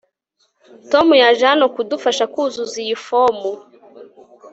tom yaje hano kudufasha kuzuza iyi fomu